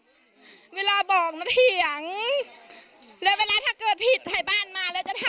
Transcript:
ก็อยู่ด้วยกันมากก็ไม่คิดว่าเขาจะไปปากรูปตีหลังกาแบบนี้นะถ้าอยากอยู่กันต่อไปก็ให้ออกมาวันนี้เลยในนิดนึงนะครับ